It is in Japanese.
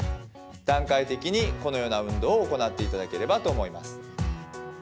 段階的に、このような運動を行っていただければと思います。